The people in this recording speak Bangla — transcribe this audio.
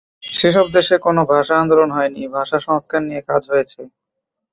সেসব দেশে কোনো ভাষা আন্দোলন হয়নি, ভাষা সংস্কার নিয়ে কাজ হয়েছে।